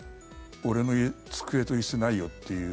俺の机と椅子ないよっていう。